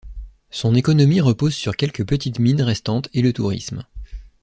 Son économie repose sur quelques petites mines restantes et le tourisme.